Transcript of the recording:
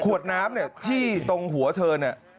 ขวดน้ำเนี่ยที่ตรงหัวเธอเนี่ย